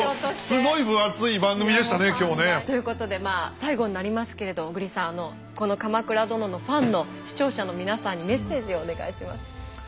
すごい分厚い番組でしたね今日ね。ということで最後になりますけれど小栗さんこの「鎌倉殿」のファンの視聴者の皆さんにメッセージをお願いします。